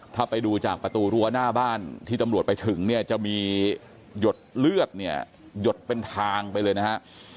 ถ้าไปดูจากประตูรั้วหน้าบ้านที่ตำรวจไปถึงเนี่ยจะมีหยดเลือดเนี่ยหยดเป็นทางไปเลยนะฮะ